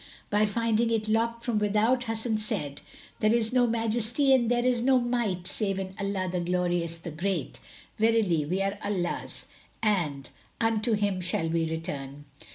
But finding it locked from without, Hasan said, "There is no Majesty and there is no Might save in Allah, the Glorious, the Great! Verily we are Allah's and unto Him shall we return!"